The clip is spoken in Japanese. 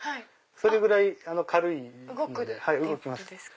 それぐらい軽いので動きます。